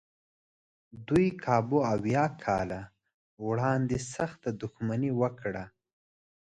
دوی کابو اویا کاله وړاندې سخته دښمني وکړه.